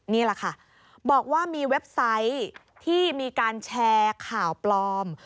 นี่แหละค่ะบอกว่ามีเว็บไซต์ที่มีการแชร์ข่าวปลอม